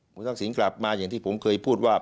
คุณทักษิณกลับมาอย่างที่ผมเคยพูดว่า